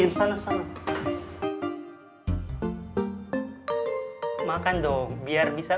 itu basketball takiej ya